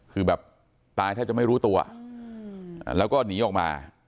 คือแบบตายแทบจะไม่รู้ตัวแล้วก็หนีออกมา